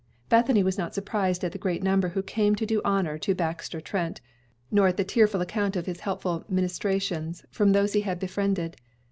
Bethany was not surprised at the great number who came to do honor to Baxter Trent, nor at the tearful accounts of his helpful ministrations from those he had befriended.